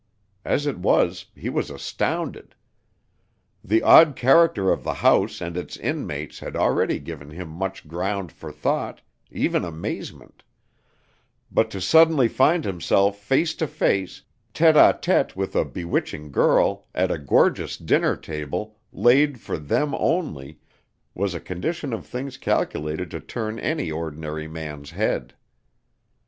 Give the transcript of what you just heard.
As it was, he was astounded. The odd character of the house and its inmates had already given him much ground for thought, even amazement; but to suddenly find himself face to face, tete a tete with a bewitching girl, at a gorgeous dinner table, laid for them only, was a condition of things calculated to turn any ordinary man's head.